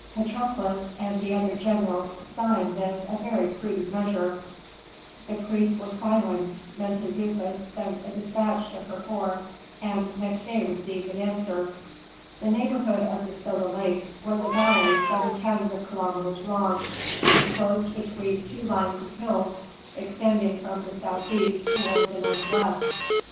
Patrokles and the other generals saw in this a very prudent measure; the priests were silent, Mentezufis sent a despatch to Herhor and next day received an answer. The neighborhood of the Soda Lakes was a valley some tens of kilometres long, enclosed between two lines of hills, extending from the southeast toward the northwest.